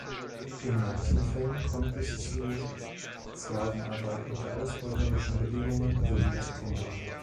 In manchen Fällen kommt es zu Sklavenarbeit unter ausbeuterischen Bedingungen sowie zu Kinderarbeit.